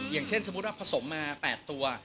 อย่างเช่นสมมุติว่าผสมมา๘ตัว